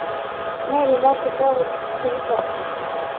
Mais les malfaiteurs retrouvent très vite leur trace.